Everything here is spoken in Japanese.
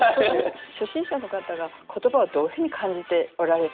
初心者の方が言葉をどういうふうに感じておられるのか。